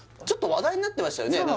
ちょっと話題になってましたよね